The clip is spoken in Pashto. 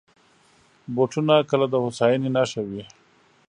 بوټونه کله د هوساینې نښه وي.